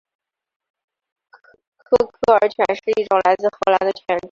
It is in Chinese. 科克尔犬是一种来自荷兰的犬种。